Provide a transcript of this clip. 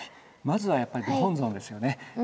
まずはやっぱりご本尊ですよね。